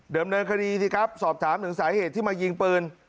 ดำเนินคดีสิครับสอบถามถึงสาเหตุที่มายิงปืน